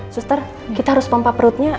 suster kita harus pompa perutnya